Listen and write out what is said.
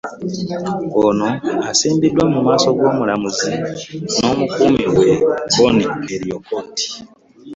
Ono asimbiddwa mu maaso g'omulamuzi n'omukuumi we, Bonny Oriekot.